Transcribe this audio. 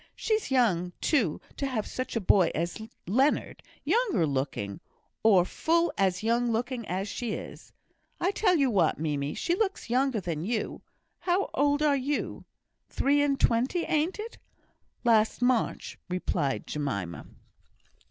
She's young, too, to have such a boy as Leonard; younger looking, or full as young looking as she is! I tell you what, Mimie, she looks younger than you. How old are you? Three and twenty, ain't it?" "Last March," replied Jemima.